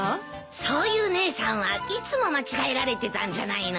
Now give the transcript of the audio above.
そういう姉さんはいつも間違えられてたんじゃないの？